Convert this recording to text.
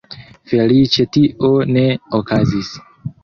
Feliĉe tio ne okazis.